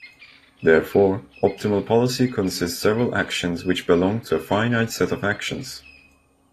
Therefore, optimal policy consist several actions which belong to a finite set of actions.